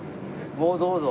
もうどうぞ。